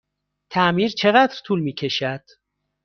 تعمیر چقدر طول می کشد؟